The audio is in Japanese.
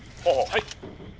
「はい」。